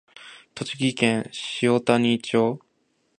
栃木県塩谷町